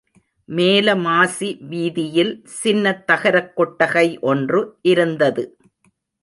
மேல மாசி வீதியில் சின்னத் தகரக் கொட்டகை ஒன்று இருந்தது.